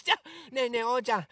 ねえねえおうちゃん